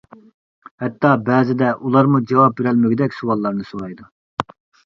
ھەتتا بەزىدە ئۇلارمۇ جاۋاب بېرەلمىگۈدەك سوئاللارنى سورايدۇ.